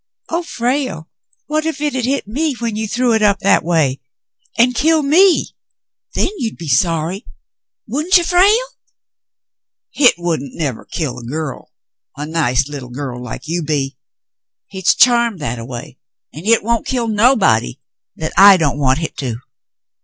"Oh, Frale ! What if it had hit me when you threw it up that way — and — killed me ? Then you'd be sorry, wouldn't you, Frale .f^" "Hit nevah wouldn't kill a girl — a nice little girl — like you be. Hit's charmed that a way, 'at hit won't kill nobody what I don't want hit to."